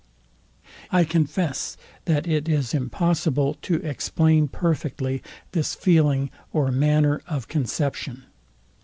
To confess, that it is impossible to explain perfectly this feeling or manner of conception.